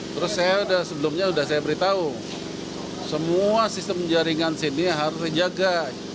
terus saya sebelumnya sudah saya beritahu semua sistem jaringan sini harus dijaga